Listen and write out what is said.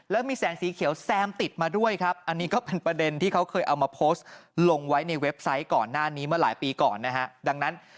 แล้วมีแสงสีเขียวแซมติดมาด้วยครับอันนี้ก็เป็นประเด็นที่เขาเคยเอามาโพสต์ลงไว้ในเว็บไซต์ก่อนหน้านี้เมื่อหลายปีก่อนนะฮะดังนั้น